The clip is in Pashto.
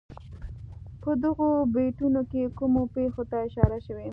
په دغو بیتونو کې کومو پېښو ته اشاره شوې.